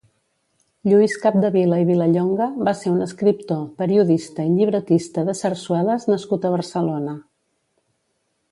Lluís Capdevila i Vilallonga va ser un escriptor, periodista i llibretista de sarsueles nascut a Barcelona.